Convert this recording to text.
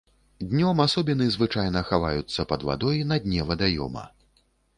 Днём асобіны звычайна хаваюцца пад вадой на дне вадаёма.